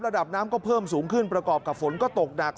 ระดับน้ำก็เพิ่มสูงขึ้นประกอบกับฝนก็ตกหนัก